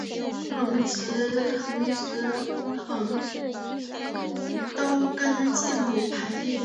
横直行都跟字母排列。